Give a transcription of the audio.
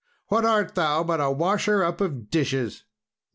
What art thou, but a washer up of dishes!"